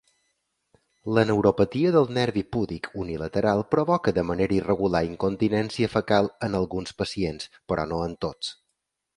La neuropatia del nervi púdic unilateral provoca de manera irregular incontinència fecal en alguns pacients, però no en tots.